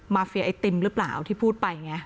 เฟียไอติมหรือเปล่าที่พูดไปไง